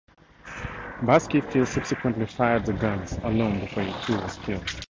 Baskeyfield subsequently fired the guns alone before he too was killed.